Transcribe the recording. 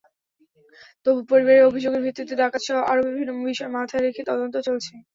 তবু পরিবারের অভিযোগের ভিত্তিতে ডাকাতিসহ আরও বিভিন্ন বিষয় মাথায় রেখে তদন্ত চলছে।